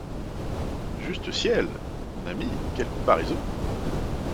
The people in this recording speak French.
Juste ciel ! mon ami, quelle comparaison !